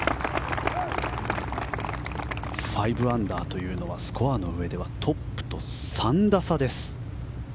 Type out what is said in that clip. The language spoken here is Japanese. ５アンダーというのはスコアの上ではトップと３打差。